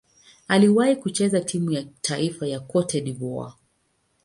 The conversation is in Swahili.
Aliwahi kucheza timu ya taifa ya Cote d'Ivoire.